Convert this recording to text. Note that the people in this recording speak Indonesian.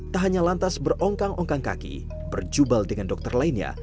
tak hanya lantas berongkang ongkang kaki berjubal dengan dokter lainnya